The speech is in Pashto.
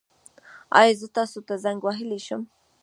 ایا زه تاسو ته زنګ وهلی شم؟